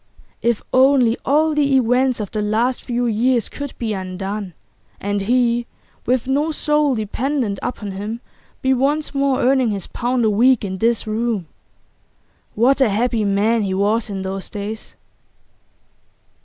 If only all the events of the last few years could be undone, and he, with no soul dependent upon him, be once more earning his pound a week in this room! What a happy man he was in those days!